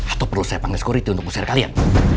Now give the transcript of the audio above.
atau perlu saya panggil sekuriti untuk usir kalian